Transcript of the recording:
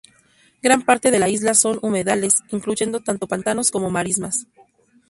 Gran parte de la isla son humedales, incluyendo tanto pantanos como marismas.